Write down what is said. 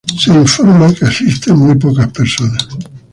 Se reporta que muy pocas personas asisten.